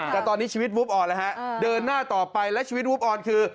แต่ตอนนี้ชีวิตวูบอ่อนแล้วฮะเดินหน้าต่อไปและชีวิตวูบออนคือ